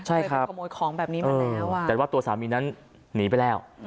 ใช่ครับขโมยของแบบนี้มาแล้วแต่ว่าตัวสามีนั้นหนีไปแล้ว